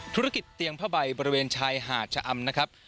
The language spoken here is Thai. ธุรกิจเตียงผ้าใบบริเวณชายหาดชะอำนะครับ